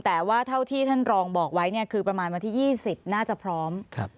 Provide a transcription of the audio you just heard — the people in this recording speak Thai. แต่ว่าเท่าที่ท่านรองบอกไว้เนี่ยคือประมาณวันที่๒๐น่าจะพร้อม